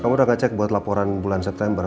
kamu udah ngecek buat laporan bulan september